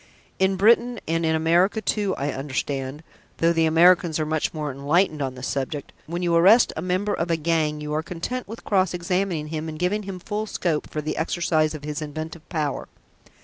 "In Britain and in America too, I understand though the Americans are much more enlightened on this subject when you arrest a member of a gang you are content with cross examining him and giving him full scope for the exercise of his inventive power.